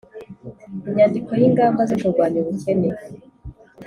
inyandiko y'lngamba zo kurwanya ubukene